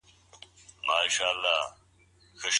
د هډوکي ماتیدو په وخت څه کیږي؟